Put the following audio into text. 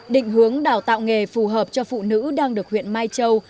định hướng đào tạo nghề phù hợp cho phụ nữ đang được huyện mai châu